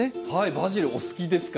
バジルお好きですか？